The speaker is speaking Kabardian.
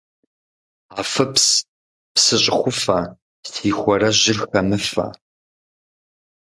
Афыпс, псы щӀыхуфэ, си хуарэжьыр хэмыфэ.